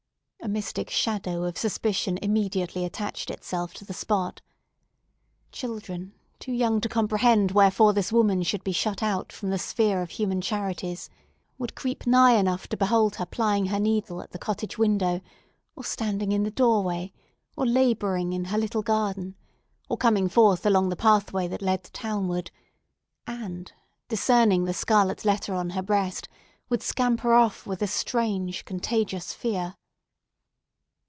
A mystic shadow of suspicion immediately attached itself to the spot. Children, too young to comprehend wherefore this woman should be shut out from the sphere of human charities, would creep nigh enough to behold her plying her needle at the cottage window, or standing in the doorway, or labouring in her little garden, or coming forth along the pathway that led townward, and, discerning the scarlet letter on her breast, would scamper off with a strange contagious fear.